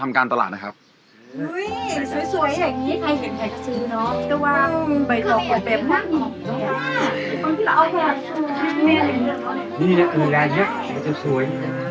นี่แหละมีรายเยอะจะสวย